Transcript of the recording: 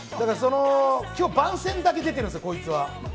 今日、番宣だけ出てるんですよ。